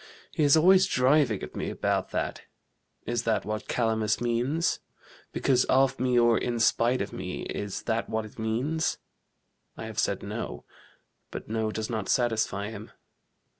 "He is always driving at me about that: is that what Calamus means? because of me or in spite of me, is that what it means? I have said no, but no does not satisfy him.